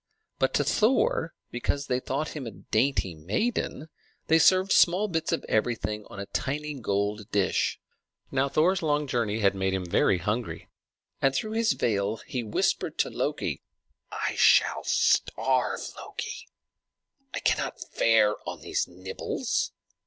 But to Thor, because they thought him a dainty maiden, they served small bits of everything on a tiny gold dish. Now Thor's long journey had made him very hungry, and through his veil he whispered to Loki, "I shall starve, Loki! I cannot fare on these nibbles.